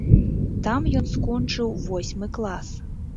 Там ён скончыў восьмы клас.